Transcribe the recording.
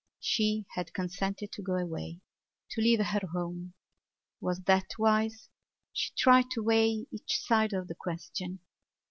She had consented to go away, to leave her home. Was that wise? She tried to weigh each side of the question.